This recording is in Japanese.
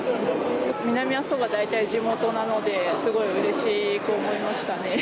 南阿蘇が大体地元なのですごいうれしく思いましたね。